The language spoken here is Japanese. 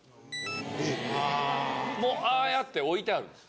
もうああやって置いてあるんです。